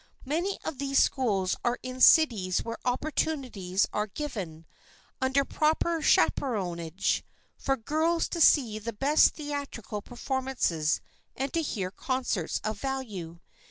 Many of these schools are in cities where opportunities are given, under proper chaperonage, for girls to see the best theatrical performances and to hear concerts of value.